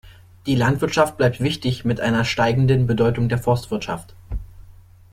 Die Landwirtschaft bleibt wichtig, mit einer steigenden Bedeutung der Forstwirtschaft.